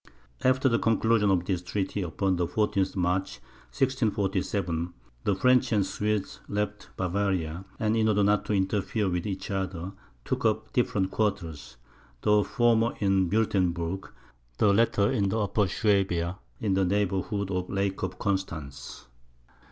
After the conclusion of this treaty, upon the 14th March, 1647, the French and Swedes left Bavaria, and in order not to interfere with each other, took up different quarters; the former in Wuertemberg, the latter in Upper Suabia, in the neighbourhood of the Lake of Constance.